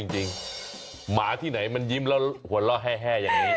เอาจริงหมาที่ไหนมันยิ้มแล้วหัวเราะแฮอย่างนี้